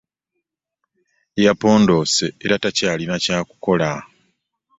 Yapondoose era takyalina kyakukola.